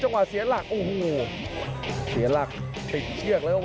หน้าซ้ายอย่างเดียวเลยครับ